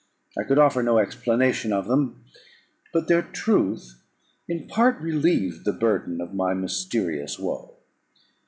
I could offer no explanation of them; but their truth in part relieved the burden of my mysterious woe.